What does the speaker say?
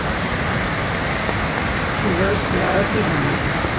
Tiẓri-s tewɛer i tigzi.